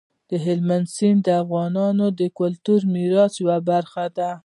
هلمند سیند د افغانستان د کلتوري میراث یوه برخه ده.